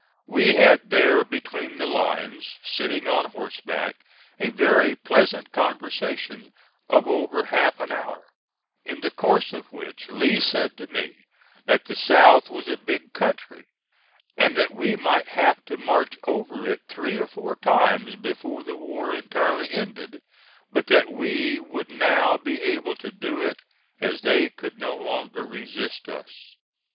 We had there between the lines, sitting on horseback, a very pleasant conversation of over half an hour, in the course of which Lee said to me that the South was a big country and that we might have to march over it three or four times before the war entirely ended, but that we would now be able to do it as they could no longer resist us.